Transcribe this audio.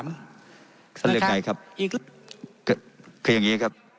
คืออย่างนี้ครับ